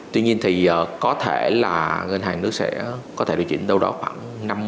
tuy nhiên thì có thể là ngân hàng nước sẽ có thể điều chỉnh đâu đó khoảng năm mươi